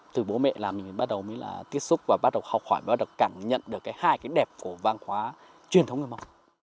từ bố mẹ là mình bắt đầu mới là tiếp xúc và bắt đầu học hỏi bắt đầu cảm nhận được cái hai cái đẹp của văn hóa truyền thống người mông